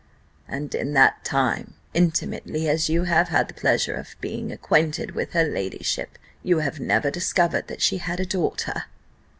"And in that time, intimately as you have had the pleasure of being acquainted with her ladyship, you have never discovered that she had a daughter?"